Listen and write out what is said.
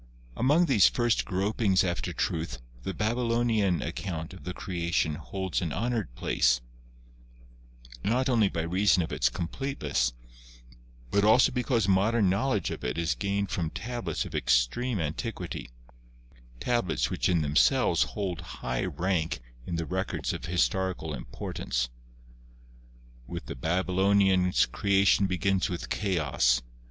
Among these first gropings after truth the Babylonian account of the Creation holds an honored place, not only by reason of its completeness, but also because modern knowledge of it is gained from tablets of extreme anti quity, tablets which in themselves hold high rank in the 2 GEOLOGY records of historical importance. With the Babylonians Creation begins with Chaos.